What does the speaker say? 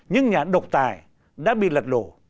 những nhà độc tài đã bị lật đổ